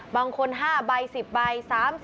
บางคน๕ใบ๑๐ใบ